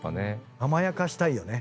甘やかしたいよね。